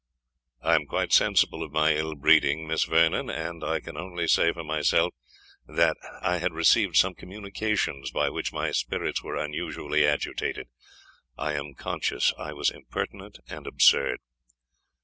"I am quite sensible of my ill breeding, Miss Vernon, and I can only say for myself that I had received some communications by which my spirits were unusually agitated. I am conscious I was impertinent and absurd."